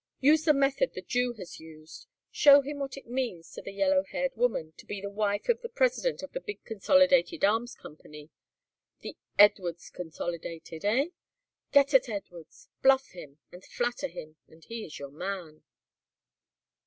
Use the method the Jew has used; show him what it means to the yellow haired woman to be the wife of the president of the big consolidated Arms Company. THE EDWARDS CONSOLIDATED, eh? Get at Edwards. Bluff him and flatter him and he is your man."